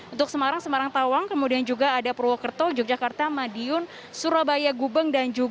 untuk semarang semarang tawang kemudian juga ada purwokerto yogyakarta madiun surabaya gubeng